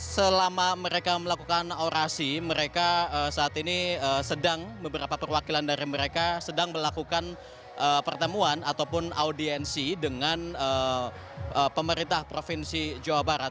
selama mereka melakukan orasi mereka saat ini sedang beberapa perwakilan dari mereka sedang melakukan pertemuan ataupun audiensi dengan pemerintah provinsi jawa barat